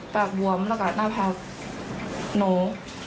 บวมแล้วก็หน้าผากหนู